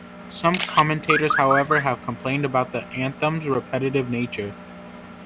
Some commentators, however, have complained about the anthem's repetitive nature.